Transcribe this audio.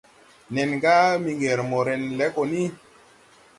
Nen ga Miŋgiri mo ren le gɔ ni.